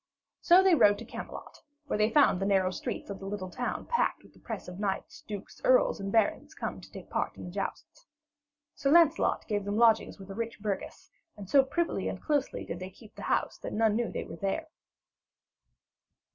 So they rode to Camelot, where they found the narrow streets of the little town packed with the press of knights, dukes, earls and barons come to take part in the jousts. Sir Lancelot got them lodgings with a rich burgess, and so privily and closely did they keep the house that none knew that they were there.